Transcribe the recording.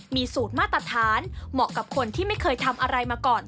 มีสูตรมาตรฐานเหมาะกับคนที่ไม่เคยทำอะไรมาก่อน